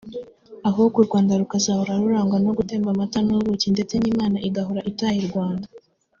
ahubwo Urwanda rukazahora rurangwa no gutemba amata n’ubuki ndetse n’Imana igahora itaha i Rwanda